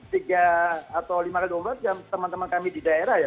tiga x dua puluh empat jam teman teman kami di daerah ya